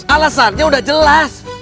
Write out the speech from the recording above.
alasannya udah jelas